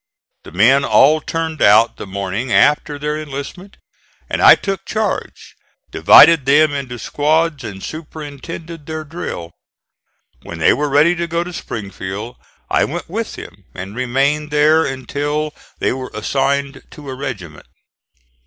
The men all turned out the morning after their enlistment, and I took charge, divided them into squads and superintended their drill. When they were ready to go to Springfield I went with them and remained there until they were assigned to a regiment.